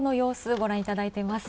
ご覧いただいています。